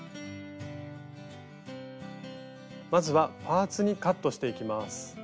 まずはパーツにカットしていきます。